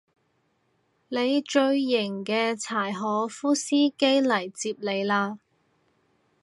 你最型嘅柴可夫司機嚟接你喇